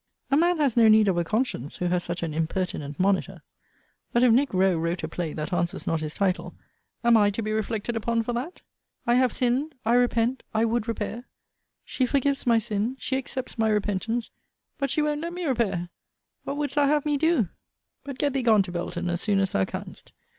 A man has no need of a conscience, who has such an impertinent monitor. But if Nic. Rowe wrote a play that answers not his title, am I to be reflected upon for that? I have sinned; I repent; I would repair she forgives my sin: she accepts my repentance: but she won't let me repair What wouldst thou have me do? But get thee gone to Belton, as soon as thou canst.